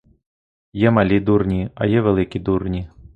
Є малі дурні, а є великі дурні.